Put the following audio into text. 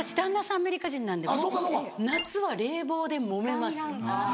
アメリカ人なんで夏は冷房でもめます。